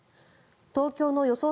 東京の予想